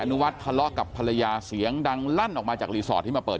นุวัฒน์ทะเลาะกับภรรยาเสียงดังลั่นออกมาจากรีสอร์ทที่มาเปิด